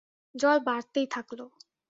জল বাড়তেই থাকল।